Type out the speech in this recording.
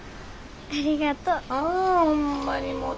ありがとう。